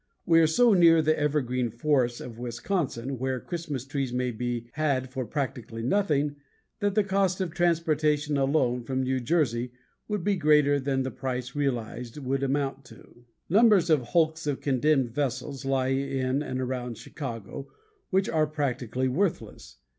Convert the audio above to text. We are so near the evergreen forests of Wisconsin, where Christmas trees may be had for practically nothing, that the cost of transportation alone from New Jersey would be greater than the price realized would amount to. Numbers of hulks of condemned vessels lie in and around Chicago which are practically worthless.